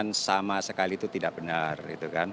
dan berseberangan sama sekali itu tidak benar